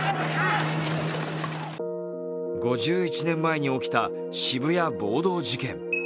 ５１年前に起きた渋谷暴動事件。